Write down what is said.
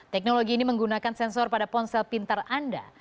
teknologi ini menggunakan sensor pada ponsel pintar anda